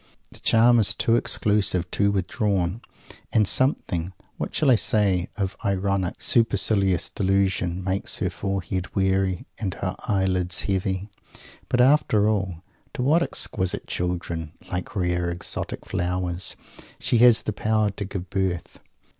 The charm is too exclusive, too withdrawn. And something what shall I say? of ironic, supercilious disillusion makes her forehead weary, and her eyelids heavy. But after all, to what exquisite children, like rare, exotic flowers, she has the power to give birth!